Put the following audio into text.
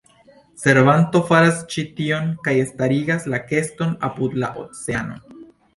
Servanto faras ĉi tion kaj starigas la keston apud la oceano.